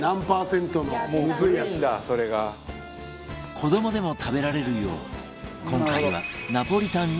子どもでも食べられるよう今回は